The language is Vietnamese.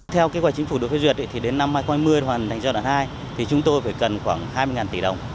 theo kế hoạch chính phủ đối phương duyệt đến năm hai nghìn hai mươi hoàn thành giai đoạn hai chúng tôi phải cần khoảng hai mươi tỷ đồng